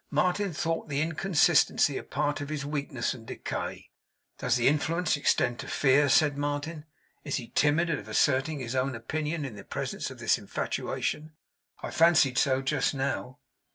Martin thought the inconsistency a part of his weakness and decay. 'Does the influence extend to fear?' said Martin. 'Is he timid of asserting his own opinion in the presence of this infatuation? I fancied so just now.